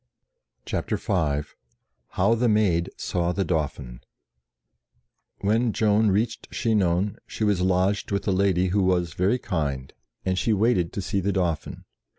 CHAPTER V HOW THE MAID SAW THE DAUPHIN WHEN Joan reached Chinon, she was lodged with a lady who was very kind, and she waited to see the .Dauphin.